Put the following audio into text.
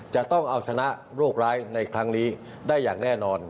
จะต้องเอาชนะโรคร้ายในครั้งนี้ได้อย่างแน่นอน